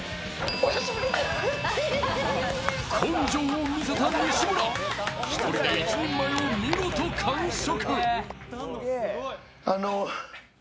根性を見せた西村、１人で１人前を見事完食。